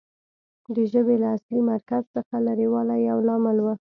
د ژبې له اصلي مرکز څخه لرې والی یو لامل و